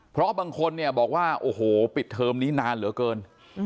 เพราะบางคนเนี่ยบอกว่าโอ้โหปิดเทอมนี้นานเหลือเกิน